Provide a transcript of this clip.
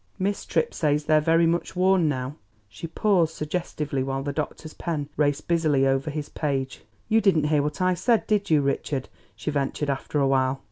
Miss Tripp says they're very much worn now." She paused suggestively while the doctor's pen raced busily over his page. "You didn't hear what I said, did you, Richard?" she ventured after a while.